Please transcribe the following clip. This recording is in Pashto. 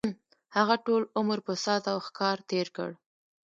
هغه ټول عمر په ساز او ښکار تېر کړ.